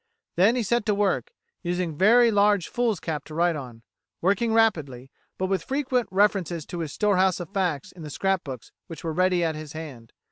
Then he set to work, using very large foolscap to write on, working rapidly, but with frequent references to his storehouse of facts in the scrap books which were ready at his hand.